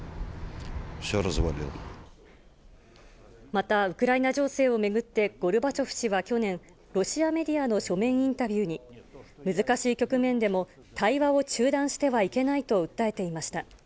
また、ウクライナ情勢を巡って、ゴルバチョフ氏は去年、ロシアメディアの書面インタビューに、難しい局面でも対話を中断してはいけないと訴えていました。